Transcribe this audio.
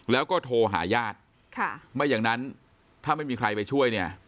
แล้วก็โทรหาญาติค่ะไม่อย่างนั้นถ้าไม่มีใครไปช่วยเนี่ย